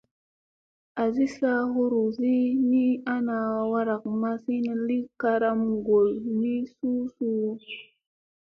Azi saa huruzi ni ana warak mazina li karam ngolla ni suu suu.